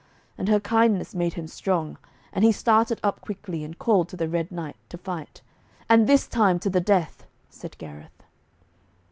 And her kindness made him strong, and he started up quickly and called to the Red Knight to fight, 'and this time to the death,' said Gareth.